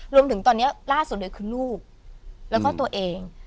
จนถึงตอนนี้ล่าสุดเลยคือลูกแล้วก็ตัวเอง